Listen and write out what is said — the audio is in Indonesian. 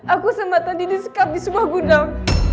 aku sama tadi disekap di subah gunam